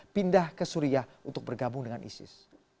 pindah ke suriah untuk bergabung dengan isis